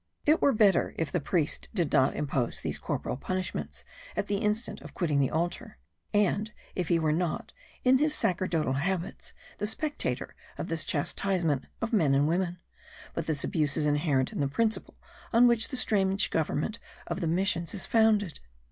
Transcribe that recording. It were better if the priest did not impose these corporal punishments at the instant of quitting the altar, and if he were not, in his sacerdotal habits, the spectator of this chastisement of men and women; but this abuse is inherent in the principle on which the strange government of the missions is founded.